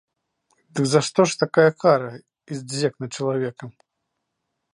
Дык за што ж такая кара і здзек над чалавекам?